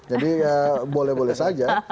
jadi ya boleh boleh saja